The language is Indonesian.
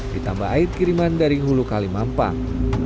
ditambah air kiriman dari hulu kali mampang